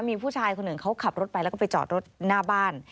มีผู้ชายคนหนึ่งเขาขับรถไปแล้วก็ไปจอดรถหน้าบ้าน